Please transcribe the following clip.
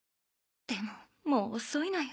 でももう遅いのよ